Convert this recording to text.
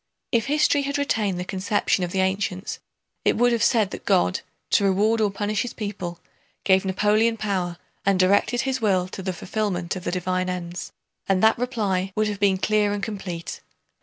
If history had retained the conception of the ancients it would have said that God, to reward or punish his people, gave Napoleon power and directed his will to the fulfillment of the divine ends, and that reply would have been clear and complete.